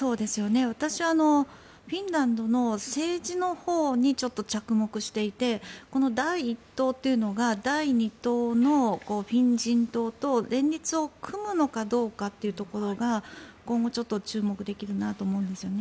私はフィンランドの政治のほうにちょっと着目していてこの第１党というのが第２党のフィン人党と連立を組むのかというのが今後、注目できるかなと思うんですね。